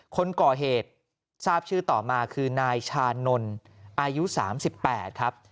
คนก่อเหตุทราบชื่อต่อมาคือนายชานนท์อายุ๓๘ครับ